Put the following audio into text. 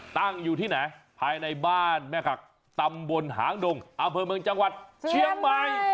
ตั้งอยู่ที่ไหนภายในบ้านแม่ขักตำบลหางดงอำเภอเมืองจังหวัดเชียงใหม่